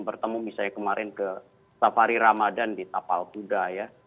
bertemu misalnya kemarin ke safari ramadan di tapal kuda ya